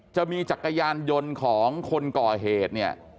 จะมีจักรยานยนต์ของคนก่อเหตุเนี่ย